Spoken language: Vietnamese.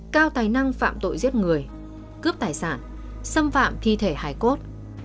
cao tài năng phạm tội giết người cướp tài sản xâm phạm thi thể hải cốt